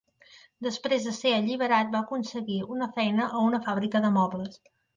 Després del ser alliberat, va aconseguir una feina a una fàbrica de mobles.